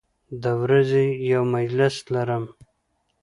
د ورځې یو مجلس لرم